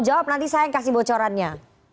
jawab nanti saya yang kasih bocorannya